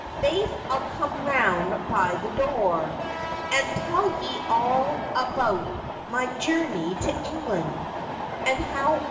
Faith, I'll come round by the doer, and tell ye all about me journey to England, and how u^3 J mi as I Am.